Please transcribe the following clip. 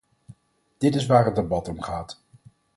Dit is waar het debat om gaat.